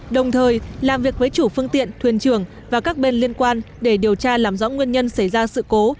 đồng thời làm việc với chủ phương tiện thuyền trường và các bên liên quan để điều tra làm rõ nguyên nhân xảy ra sự cố